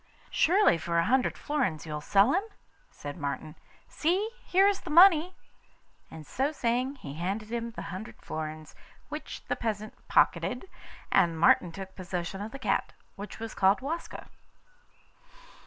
'Surely for a hundred florins you'll sell it?' said Martin. 'See! here is the money;' and, so saying, he handed him the hundred florins, which the peasant pocketed, and Martin took possession of the cat, which was called Waska.